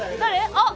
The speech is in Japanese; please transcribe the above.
あっ。